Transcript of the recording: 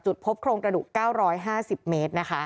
พบโครงกระดูก๙๕๐เมตรนะคะ